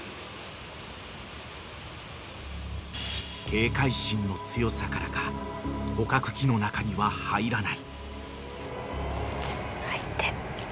［警戒心の強さからか捕獲器の中には入らない］